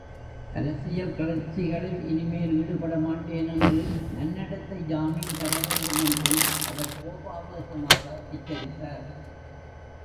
அரசியல் கிளர்ச்சிகளில் இனிமேல் ஈடுபடமாட்டேன் என்று நன்னடத்தை ஜாமீன் தர வேண்டும் என்றும் அவர் கோபாவேசமாக எச்சரித்தார்.